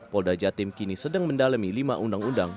polda jatim kini sedang mendalami lima undang undang